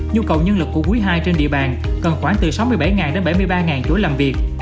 nhu cầu nhân lực của quý ii trên địa bàn cần khoảng từ sáu mươi bảy đến bảy mươi ba chỗ làm việc